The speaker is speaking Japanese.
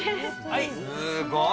すごい。